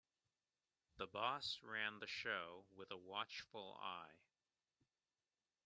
The boss ran the show with a watchful eye.